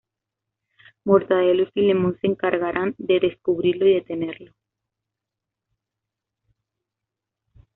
Mortadelo y Filemón se encargarán de descubrirlo y detenerlo.